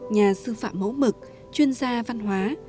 nhà sư phạm mẫu mực chuyên gia văn hóa